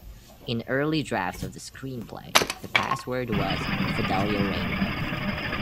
In early drafts of the screenplay, the password was "Fidelio Rainbow".